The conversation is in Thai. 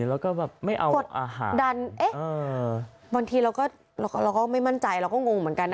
แล้วก็แบบไม่เอากดอาหารดันเอ๊ะบางทีเราก็ไม่มั่นใจเราก็งงเหมือนกันนะ